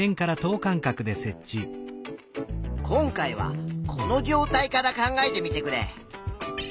今回はこの状態から考えてみてくれ。